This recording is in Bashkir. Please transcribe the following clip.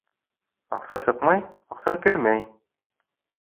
Аҡса сыҡмай аҡса кермәй.